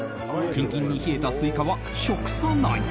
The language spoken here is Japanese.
キンキンに冷えたスイカは食さない。